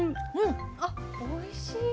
あおいしい！